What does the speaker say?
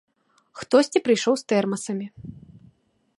Хтосьці прыйшоў з тэрмасамі.